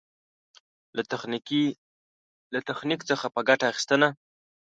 له تخنيک څخه په ګټه اخېستنه.